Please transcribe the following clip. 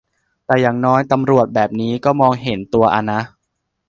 แต่อย่างน้อยตำรวจแบบนี้ก็มองเห็นตัวอ่ะนะ